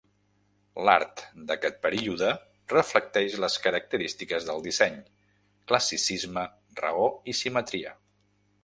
L'art d'aquest període reflecteix les característiques del disseny: classicisme, raó i simetria.